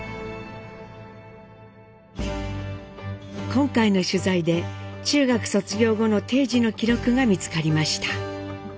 今回の取材で中学卒業後の貞次の記録が見つかりました。